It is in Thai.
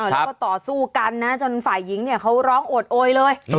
แล้วก็ต่อสู้กันนะจนฝ่ายหญิงเนี่ยเขาร้องโอดโอยเลย